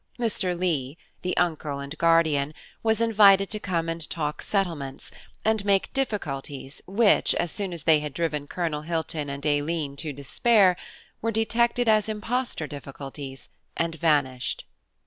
Mr. Leigh, the uncle and guardian, was invited to come and talk settlements, and make difficulties which, as soon as they had driven Colonel Hilton and Aileen to despair, were detected as impostor difficulties, and vanished.